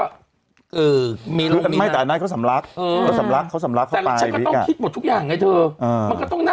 แท้บ่อน้ำสักสิทธิ์อย่างของ